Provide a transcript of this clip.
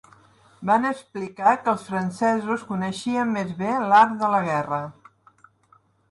Van explicar que els francesos coneixien més bé l'art de la guerra